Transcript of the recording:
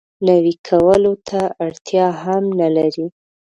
نوي کولو ته اړتیا هم نه لري.